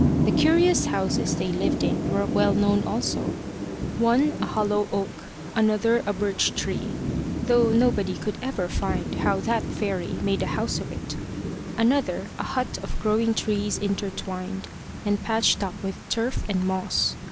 The curious houses they lived in were well known also, one, a hollow oak; another, a birch tree, though nobody could ever find how that fairy made a house of it; another, a hut of growing trees intertwined, and patched up with turf and moss.